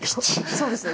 そうですね